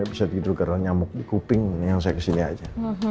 bisa tidur karena nyamuk di kuping ini yang saya kesini aja